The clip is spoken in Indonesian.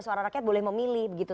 suara rakyat boleh memilih begitu